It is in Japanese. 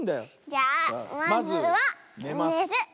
じゃあまずはねる。